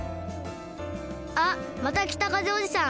あっまた北風おじさん！